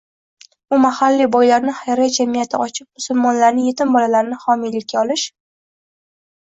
U mahalliy boylarni xayriya jamiyati ochib musulmonlarning etim bolalarini homiylikka olish